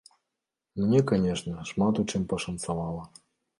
Мне, канешне, шмат у чым пашанцавала.